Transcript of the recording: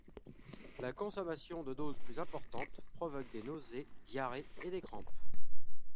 La consommation de doses plus importantes provoque des nausées, diarrhées et des crampes.